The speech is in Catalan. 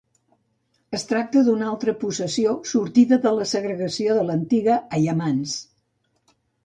Es tracta d'una altra possessió sortida de la segregació de l'antiga Aiamans.